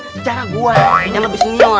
secara gue yang lebih senior